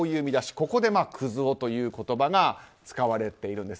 ここでクズ男という言葉が使われているんです。